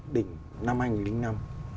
đỉnh năm hai nghìn năm